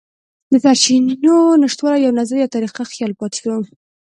د سرچینو نشتوالی یو نظر یا طریقه خیال پاتې کوي.